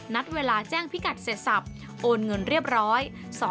เวลาแจ้งพิกัดเสร็จสับโอนเงินเรียบร้อย